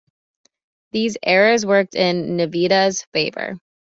These errors worked in Nvidia's favour.